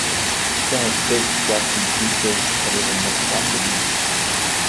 Some have thick, waxy cuticles others have much softer leaves.